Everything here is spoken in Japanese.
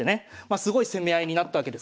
すごい攻め合いになったわけですね。